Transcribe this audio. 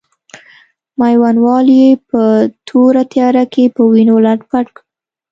میوندوال یې په توره تیاره کې په وینو لت پت کړ.